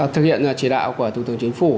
thực hiện chế đạo của thủ tướng chính phủ